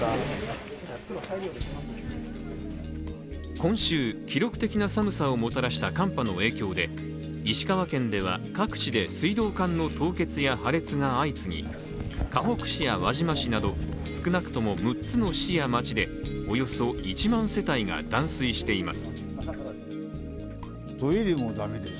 今週、記録的な寒さをもたらした寒波の影響で石川県では各地で水道管の凍結や破裂が相次ぎかほく市や輪島市など少なくとも６つの市や町でおよそ１万世帯が断水しています。